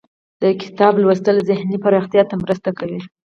د کتاب لوستل ذهني پراختیا ته مرسته کوي.